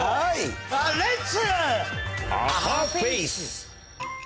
レッツ。